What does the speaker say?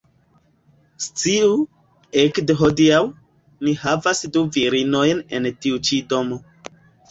Sciu, ekde hodiaŭ, ni havas du virinojn en tiu ĉi domo